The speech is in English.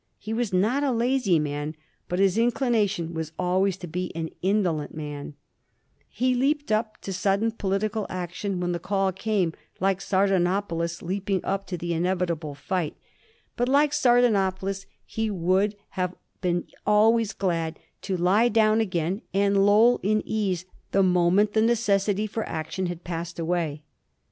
He was not a lazy man, but his inclination was always to be an indolent man. He leaped up to sudden political action when the call came, like Sardanapalus leaping up to the inevitable fight ; but, like Sardanapalus, he x2 Digiti zed by Google 308 A HISTORY OF THE FOUR GEORGES, ch. xit. would have been always glad to lie down again and loll in ease the moment the necessity for action had passed away.